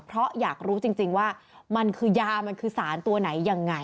เพราะอยากรู้จริงว่ามันคือยามันคือสารตัวไหนยังไง